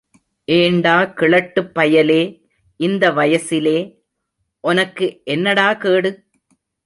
ஏண்டா கிழட்டுப் பயலே... இந்த வயசிலே... ஒனக்கு என்னடா கேடு...?